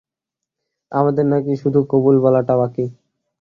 আমাদের নাকি শুধু কবুল বলাটা বাকি।